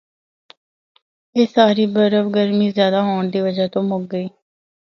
اے ساری برف گرمی زیادہ ہونڑا دی وجہ تو مُک گئی۔